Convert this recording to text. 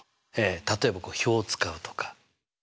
例えば表を使うとか。